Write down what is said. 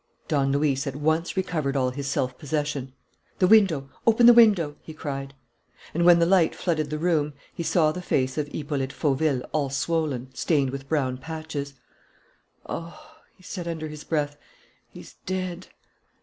Don Luis at once recovered all his self possession. "The window! Open the window!" he cried. And, when the light flooded the room, he saw the face of Hippolyte Fauville all swollen, stained with brown patches. "Oh," he said, under his breath, "he's dead!"